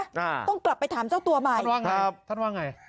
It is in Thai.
อ่าต้องกลับไปถามเจ้าตัวใหม่ท่านว่าไงครับท่านว่าไง